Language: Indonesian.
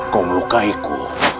kau melukai aku